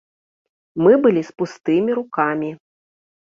Мы былі з пустымі рукамі.